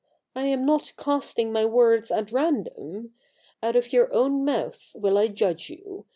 I am not casting my words at random. Out of your own mouths will I judge you.